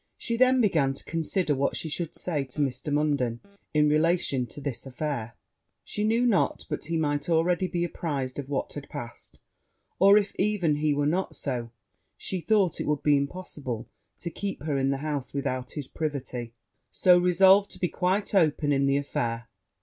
She then began to consider what she should say to Mr. Munden in relation to this affair: she knew not but he might already be apprized of what had passed; or if even he were not so, she thought it would be impossible to keep her in the house without his privity; so resolved to be quite open in the affair.